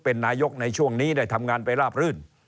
เป็นนายกในช่วงนี้ได้ทำงานไปราบรื่น